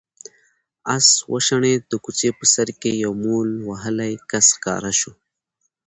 آس وشڼېد، د کوڅې په سر کې يو مول وهلی کس ښکاره شو.